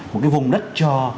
một cái vùng đất cho